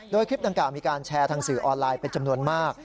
โดยคลิปดังกล่าวมีการแชร์ทางสื่อออนไลน์เป็นจำนวนมาก